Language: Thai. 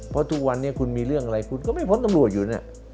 เพราะทุกวันนี้คุณมีเรื่องอะไรคุณก็ไม่พ้นตำรวจอยู่เนี่ย